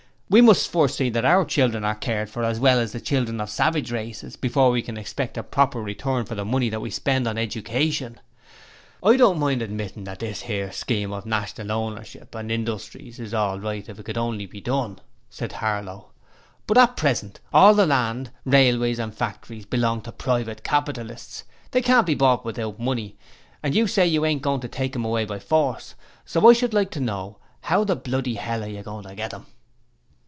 We must first see that our children are cared for, as well as the children of savage races, before we can expect a proper return for the money that we spend on education.' 'I don't mind admitting that this 'ere scheme of national ownership and industries is all right if it could only be done,' said Harlow, 'but at present, all the land, railways and factories, belongs to private capitalists; they can't be bought without money, and you say you ain't goin' to take 'em away by force, so I should like to know how the bloody 'ell you are goin' to get 'em?'